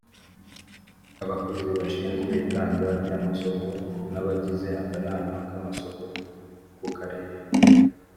abakozi bashinzwe itangwa ry amasoko n abagize akanama k amasoko ku karere